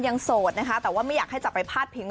โสดนะคะแต่ว่าไม่อยากให้จับไปพาดพิง